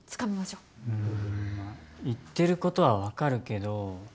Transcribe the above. うん言ってることはわかるけど。